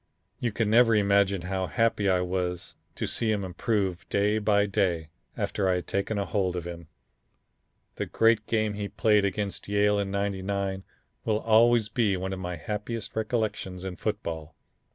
You can never imagine how happy I was to see him improve day by day after I had taken a hold of him. The great game he played against Yale in '99 will always be one of my happiest recollections in football.